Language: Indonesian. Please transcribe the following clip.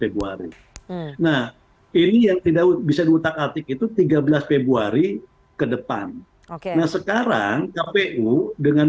februari nah ini yang tidak bisa diutak atik itu tiga belas februari ke depan oke nah sekarang kpu dengan